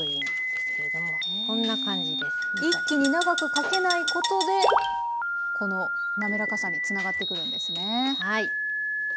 一気に長くかけないことでこの滑らかさにつながってくるんですね。